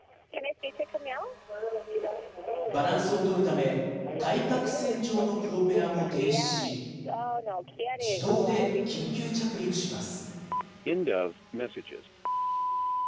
バランスを取るため、対角線上のプロペラも停止し、自動で緊急着陸します。